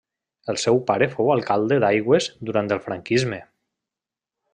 El seu pare fou alcalde d'Aigües durant el franquisme.